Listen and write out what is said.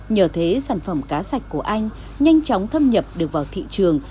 nhờ thế sản phẩm cá sạch của anh nhanh chóng thâm nhập được vào thị trường